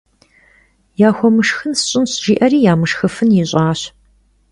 Yaxuemışşxın sş'ınş, — jji'eri yamışşxıfın yiş'aş.